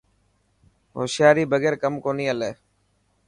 هوشيري بگير ڪم ڪونهي هلي.